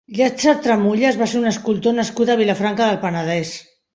Llàtzer Tramulles va ser un escultor nascut a Vilafranca del Penedès.